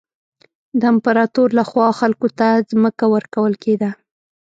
د امپراتور له خوا خلکو ته ځمکه ورکول کېده.